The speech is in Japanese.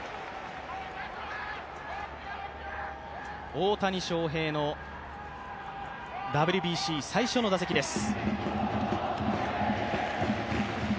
大谷翔平のＷＢＣ最初の打席です。